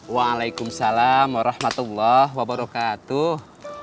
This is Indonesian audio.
waalaikumsalam warahmatullahi wabarakatuh